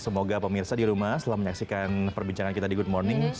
semoga pemirsa di rumah setelah menyaksikan perbincangan kita di good morning